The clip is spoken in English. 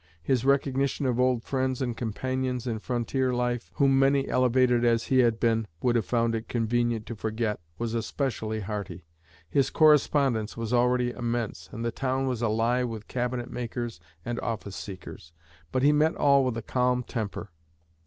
His recognition of old friends and companions in frontier life, whom many elevated as he had been would have found it convenient to forget, was especially hearty. His correspondence was already immense, and the town was alive with cabinet makers and office seekers; but he met all with a calm temper."